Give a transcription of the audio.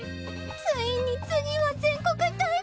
ついに次は全国大会！